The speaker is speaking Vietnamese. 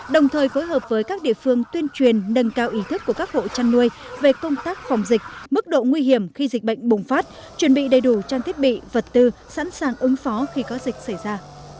đồng thời phối hợp với các địa phương tuyên truyền nâng cao ý thức của các hộ chăn nuôi về công tác phòng dịch mức độ nguy hiểm khi dịch bệnh bùng phát chuẩn bị đầy đủ trang thiết bị vật tư sẵn sàng ứng phó khi có dịch xảy ra